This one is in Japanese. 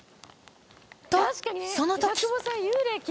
とその時！